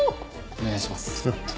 お願いします。